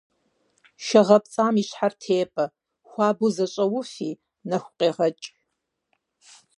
Шэ гъэпцӏам и щхьэр тепӏэ, хуабэу зэщӏэуфи, нэху къегъэкӏ.